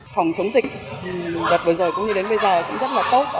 phòng chống dịch đợt vừa rồi cũng như đến bây giờ cũng rất là tốt